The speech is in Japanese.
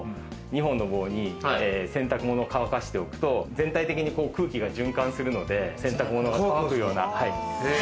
２本の棒に洗濯ものを乾かしておくと、全体的に空気が循環するので、洗濯物が乾くような。